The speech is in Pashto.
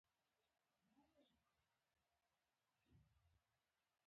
کفن تک سپین دی خو ډیر ډارونکی دی.